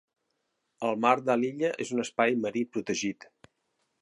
El mar de l'illa és un Espai Marí Protegit.